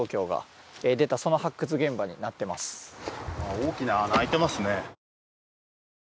大きな穴が開いていますね。